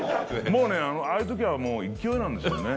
もうねああいう時は勢いなんですよね。